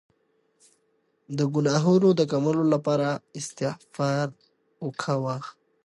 د ګناهونو د کمولو لپاره استغفار کوه.